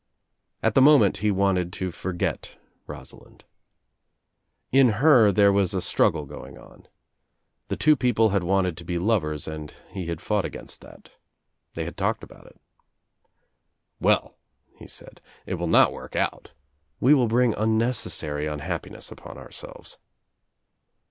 At the moment he wanted to forget Rosalind. In her there was a struggle going on. The two people had wanted to be lovers and he had fought against that. They had talked about it. "Well," he said, "it will not work out. We will bring unnecessary un happiness upon ourselves."